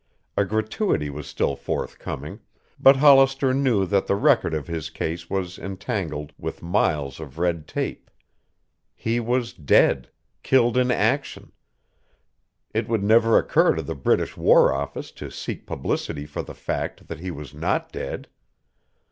A gratuity was still forthcoming. But Hollister knew that the record of his case was entangled with miles of red tape. He was dead killed in action. It would never occur to the British War Office to seek publicity for the fact that he was not dead.